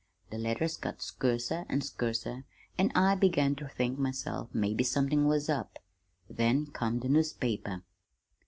The letters got skurser an' skurser, an' I began ter think myself maybe somethin' was up. Then come the newspaper.